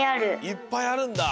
いっぱいあるんだ。